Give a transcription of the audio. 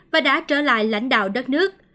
và đã trở lại lãnh đạo đất nước